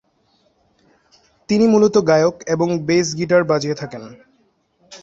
তিনি মূলত গায়ক এবং বেস গীটার বাজিয়ে থাকেন।